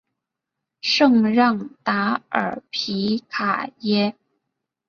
圣让达尔卡皮耶。